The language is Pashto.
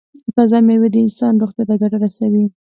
تازه میوه د انسان روغتیا ته ګټه رسوي.